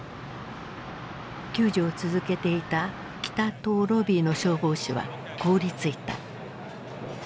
救助を続けていた北棟ロビーの消防士は凍りついた。